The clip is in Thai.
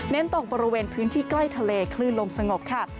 ตกบริเวณพื้นที่ใกล้ทะเลคลื่นลมสงบค่ะ